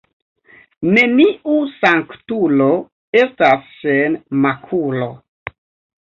Neniu sanktulo estas sen makulo.